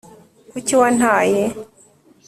kuki wantaye